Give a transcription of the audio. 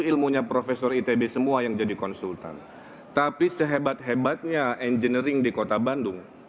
ilmunya profesor itb semua yang jadi konsultan tapi sehebat hebatnya engineering di kota bandung